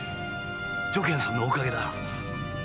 如見さんのおかげだ。